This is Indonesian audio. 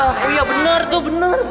oh iya bener tuh bener